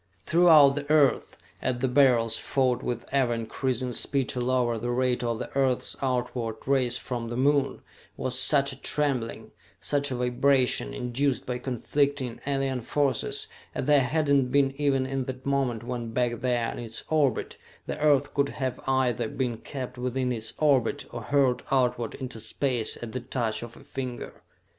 Throughout the Earth, as the Beryls fought with ever increasing speed to lower the rate of the earth's outward race from the Moon, was such a trembling, such a vibration induced by conflicting, alien forces as there had not been even in that moment when back there in its orbit, the Earth could have either been kept within its orbit, or hurled outward into space at the touch of a finger.